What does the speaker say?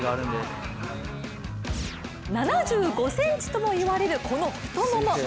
７５ｃｍともいわれるこの太もも。